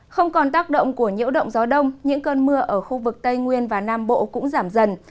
không còn tác động của nhiễu động gió đông những cơn mưa ở khu vực tây nguyên và nam bộ cũng giảm dần